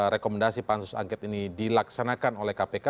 rekomendasi pansus angket ini dilaksanakan oleh kpk